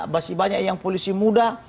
masih banyak yang polisi muda